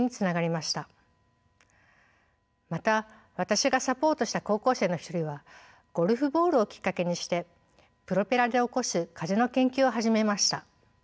また私がサポートした高校生の一人はゴルフボールをきっかけにしてプロペラで起こす風の研究を始めました。